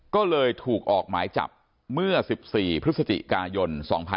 ก็เลยถูกออกหมายจับเมื่อ๑๔พฤศจิกายน๒๕๖๒